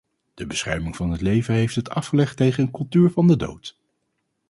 De bescherming van het leven heeft het afgelegd tegen een cultuur van de dood.